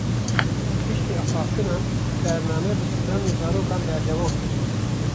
Piştî axaftinan, bername bi stranên zarokan berdewam kir